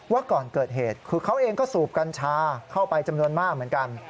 ก่อนเกิดเหตุคือเขาเองก็สูบกัญชาเข้าไปจำนวนมากเหมือนกัน